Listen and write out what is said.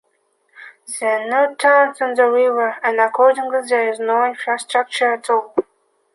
There are no towns on the river, and accordingly there is no infrastructure at all.